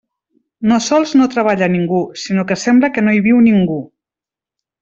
No sols no treballa ningú, sinó que sembla que no hi viu ningú.